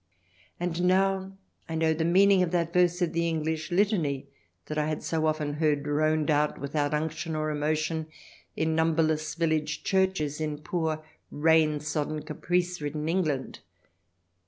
And now I know the meaning of that verse of the English Litany that I had so often heard droned out without unction or emotion in numberless village churches in poor, rain 3IO THE DESIRABLE ALIEN [ch. xxi sodden, caprice ridden England.